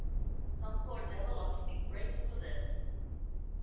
"Some poor devil ought to be grateful for this.